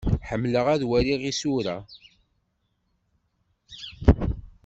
Ḥemmleɣ ad waliɣ isura.